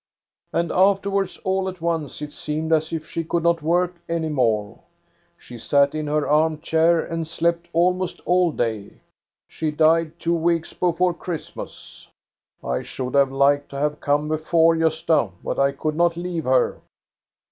And afterwards all at once it seemed as if she could not work any more. She sat in her arm chair and slept almost all day. She died two weeks before Christmas. I should have liked to have come before, Gosta, but I could not leave her."